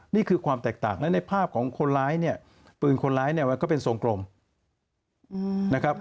นี่คือความแตกต่างและในภาพของคนร้ายเนี่ยปืนคนร้ายเนี่ยมันก็เป็นทรงกลมนะครับ